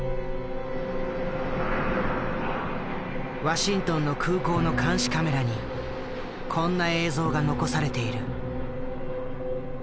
ワシントンの空港の監視カメラにこんな映像が残されている。